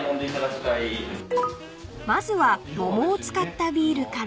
［まずは桃を使ったビールから］